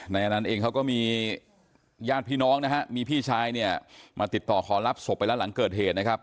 นายอนันต์เองเขาก็มีญาติพี่น้องนะฮะมีพี่ชายเนี่ยมาติดต่อขอรับศพไปแล้วหลังเกิดเหตุนะครับ